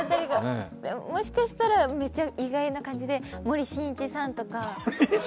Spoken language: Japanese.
もしかしたらめっちゃ意外な感じで、森進一さんとか。